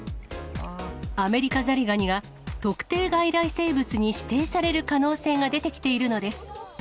アメリカザリガニが、特定外来生物に指定される可能性が出てきているのです。